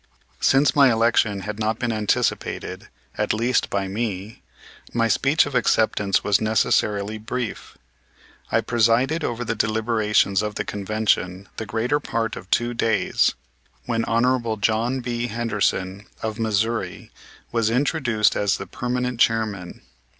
Since my election had not been anticipated, at least, by me, my speech of acceptance was necessarily brief. I presided over the deliberations of the Convention the greater part of two days, when Hon. John B. Henderson, of Missouri, was introduced as the permanent chairman.